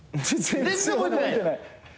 全然覚えてない！